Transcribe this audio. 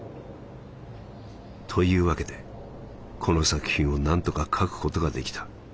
「というわけでこの作品を何とか書くことが出来た。